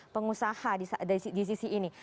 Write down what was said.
pengusaha di sisi ini